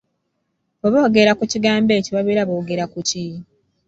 Bwe boogera ku kigambo ekyo babeera boogera ku ki?